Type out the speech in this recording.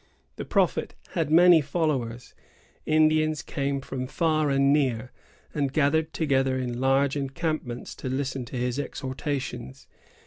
The prophet had many followers. Indians came from far and near, and gathered together in large encampments to listen to his exhortations.